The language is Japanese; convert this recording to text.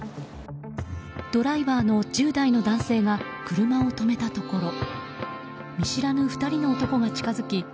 ドライバーの１０代の男性が車を止めたところ見知らぬ２人の男が近づき